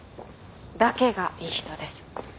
「だけ」がいい人です。